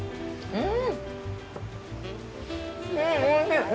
うん。